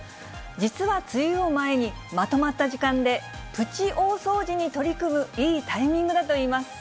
実は梅雨を前に、まとまった時間でプチ大掃除に取り組むいいタイミングだといいます。